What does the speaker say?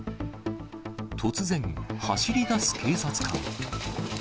突然、走り出す警察官。